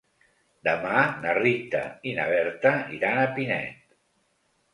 Demà na Rita i na Berta iran a Pinet.